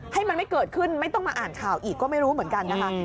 ให้มันไม่เกิดขึ้นไม่ต้องมาอ่านข่าวอีกก็ไม่รู้เหมือนกันนะคะ